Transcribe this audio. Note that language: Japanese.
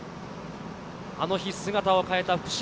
あの日、姿を変えた福島。